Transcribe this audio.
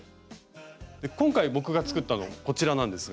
今回僕が作ったのこちらなんですが。